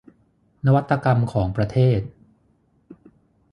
นวัตกรรมของประเทศ